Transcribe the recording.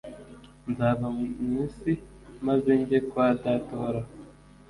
Nzava mu isi maze njye kwa Data Uhoraho